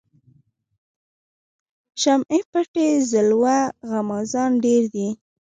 شمعی پټي ځلوه غمازان ډیر دي